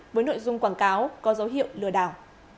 với nội dung quảng cáo có dấu hiệu lừa đảo